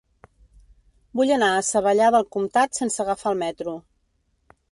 Vull anar a Savallà del Comtat sense agafar el metro.